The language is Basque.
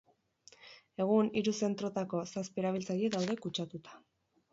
Egun, hiru zentrotako zazpi erabiltzaile daude kutsatuta.